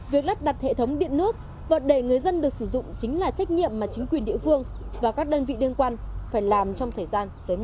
việc lắp đặt hệ thống điện nước và để người dân được sử dụng chính là trách nhiệm mà chính quyền địa phương và các đơn vị liên quan phải làm trong thời gian sớm nhất